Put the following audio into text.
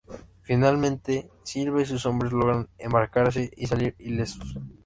Finalmente, Silva y sus hombres logran embarcarse y salir ilesos.